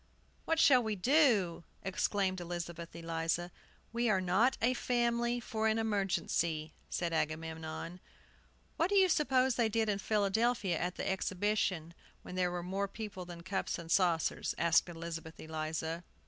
"What shall we do?" exclaimed Elizabeth Eliza. "We are not a family for an emergency," said Agamemnon. "What do you suppose they did in Philadelphia at the Exhibition, when there were more people than cups and saucers?" asked Elizabeth Eliza.